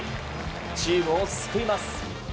チームを救います。